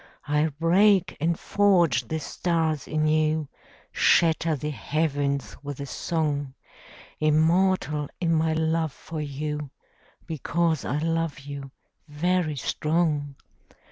I'll break and forge the stars anew, Shatter the heavens with a song; Immortal in my love for you, Because I love you, very strong.